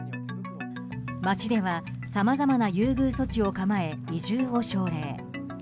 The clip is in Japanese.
町ではさまざまな優遇措置を構え移住を奨励。